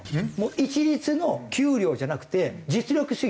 一律の給料じゃなくて実力主義。